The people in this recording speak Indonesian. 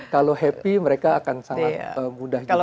kalau happy mereka akan sangat mudah juga